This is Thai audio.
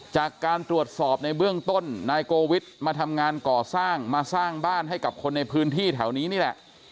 จากการตรวจสอบในเบื้องต้นนายโกวิทมาทำงานก่อสร้างมาสร้างบ้านให้กับคนในพื้นที่แถวนี้นี่แหละ